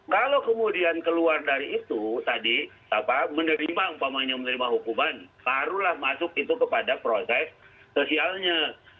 kalau kemudian keluar dari itu menerima hukuman barulah masuk itu kepada proses sosialnya